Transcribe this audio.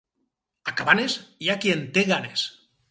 A Cabanes, hi ha qui en té ganes.